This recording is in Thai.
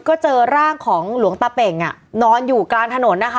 ก็เจอร่างของหลวงตาเป่งอ่ะนอนอยู่กลางถนนนะคะ